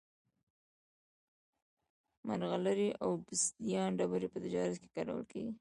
مرغلرې او اوبسیدیان ډبرې په تجارت کې کارول کېدې